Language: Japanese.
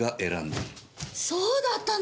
そうだったの！？